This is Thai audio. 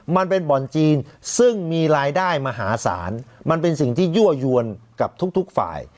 มันเป็นบ่อนจีนซึ่งมีรายได้มหาศาลมันเป็นสิ่งที่ยั่วยวนกับทุกฝ่าย